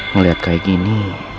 ngeliat kayak gini